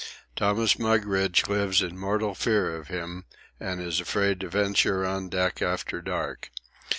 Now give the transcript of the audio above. Thomas Mugridge lives in mortal fear of him, and is afraid to venture on deck after dark.